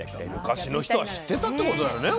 昔の人は知ってたってことだよね